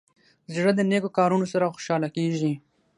زړه د نیکو کارونو سره خوشحاله کېږي.